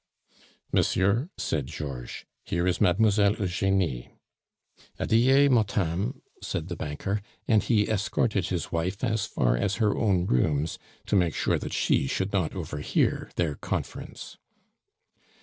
"Monsieur," said Georges, "here is Mademoiselle Eugenie." "Adie, motame," said the banker, and he escorted his wife as far as her own rooms, to make sure that she should not overhear their conference.